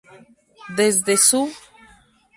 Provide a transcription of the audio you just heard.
Desde su